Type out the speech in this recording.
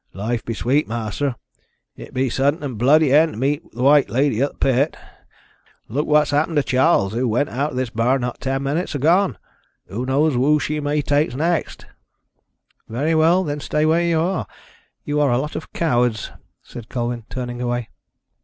"Life be sweet, ma'aster. It be a suddint and bloody end to meet th' White Lady of th' pit. Luke what's happened to Charles, who went out of this bar not ten minutes agone! Who knows who she may take next?" "Very well, then stay where you are. You are a lot of cowards," said Colwyn, turning away.